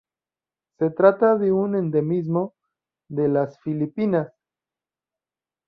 Se trata de un endemismo de las Filipinas.